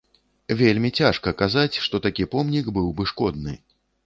Вельмі цяжка казаць, што такі помнік быў бы шкодны.